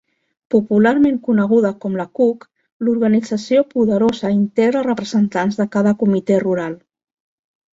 Popularment coneguda com "la Kuk", l'organització poderosa integra representants de cada comitè rural.